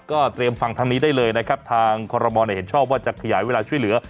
ก็เตรียมฟังทางนี้ได้เลยนะครับทางคอรมอลเห็นชอบว่าจะขยายเวลาช่วยเหลือ